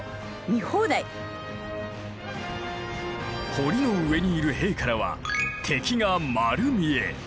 堀の上にいる兵からは敵が丸見え。